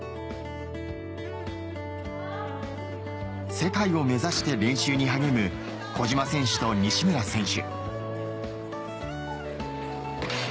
・世界を目指して練習に励む小島選手と西村選手